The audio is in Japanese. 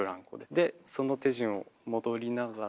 でその手順を戻りながら。